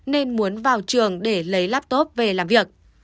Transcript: nên muốn vào trường để lấy laptop về làm việc